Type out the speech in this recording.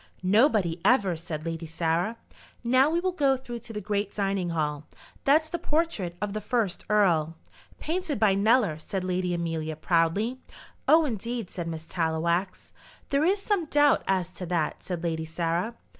"Nobody, ever," said Lady Sarah. "Now we will go through to the great dining hall. That's the portrait of the first earl." "Painted by Kneller," said Lady Amelia, proudly. "Oh, indeed," said Miss Tallowax. "There is some doubt as to that," said Lady Sarah.